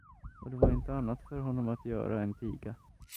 Och det var inte annat för honom att göra än tiga.